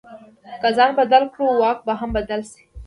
که ځان بدل کړو، واک به هم بدل شي.